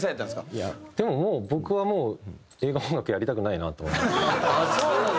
いやでも僕はもう映画音楽やりたくないなと思いましたね。